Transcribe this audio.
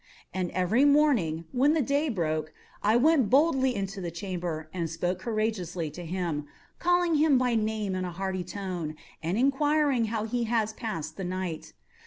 And every morning, when the day broke, I went boldly into the chamber, and spoke courageously to him, calling him by name in a hearty tone, and inquiring how he has passed the night.